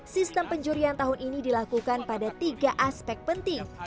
sistem penjurian tahun ini dilakukan pada tiga aspek penting